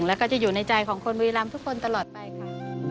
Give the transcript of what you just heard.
แล้วก็จะอยู่ในใจของคนบุรีรำทุกคนตลอดไปค่ะ